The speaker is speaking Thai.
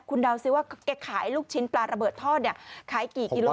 คุณเดาซิว่าแกขายลูกชิ้นปลาระเบิดทอดเนี่ยขายกี่กิโล